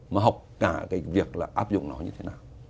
mà học cả việc áp dụng nó như thế nào